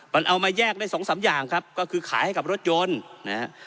มันเอามาแยกได้สองสามอย่างครับก็คือขายให้กับรถยนต์นะฮะ